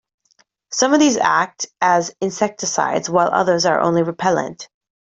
Some of these act as insecticides while others are only repellent.